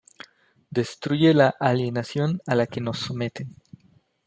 destruye la alienación a la que nos someten